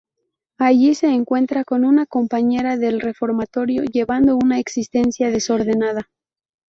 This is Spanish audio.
Allí se encuentra con una compañera del reformatorio, llevando una existencia desordenada.